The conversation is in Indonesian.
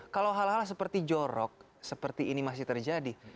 kalau hal hal seperti jorok seperti ini masih terjadi